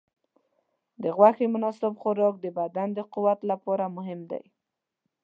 د غوښې مناسب خوراک د بدن د قوت لپاره مهم دی.